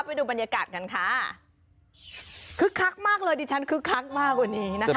ไปดูบรรยากาศกัน